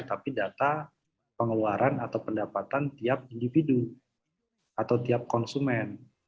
tapi data pengeluaran atau pendapatan tiap individu atau tiap konsumen